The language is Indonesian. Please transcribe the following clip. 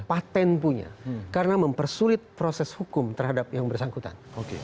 patent punya karena mempersulit proses hukum terhadap yang bersangkutan